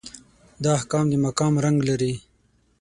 دا احکام د مکان رنګ لري.